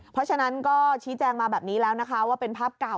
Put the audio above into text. เพราะฉะนั้นก็ชี้แจงมาแบบนี้แล้วนะคะว่าเป็นภาพเก่า